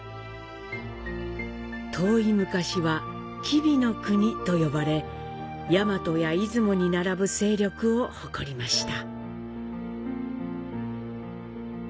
遠い昔は吉備国と呼ばれ、大和や出雲に並ぶ勢力を誇りました。